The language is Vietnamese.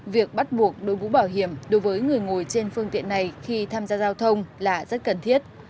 việc bắt buộc đối mũ bảo hiểm đối với người ngồi trên phương tiện này khi tham gia giao thông là rất cần thiết